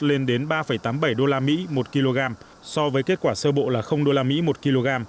lên đến ba tám mươi bảy đô la mỹ một kg so với kết quả sơ bộ là đô la mỹ một kg